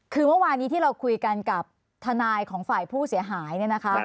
คือเมื่อวานี้ที่เราคุยกันกับทนายของฝ่ายผู้เสียหายเนี่ยนะคะ